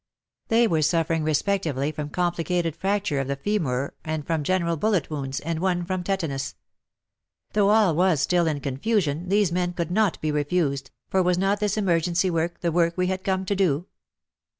They were suffering respect ively from complicated fracture of the femur and from general bullet wounds, and one from tetanus. Though all was still in confusion, these men could not be refused, for was not this emergency work the work we had come to do?